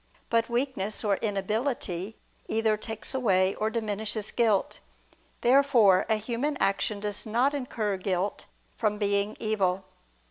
But weakness or inability either takes away or diminishes guilt. Therefore a human action does not incur guilt from being evil.